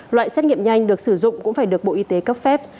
loại xét nghiệm nhanh được sử dụng cũng phải được bộ y tế cấp phép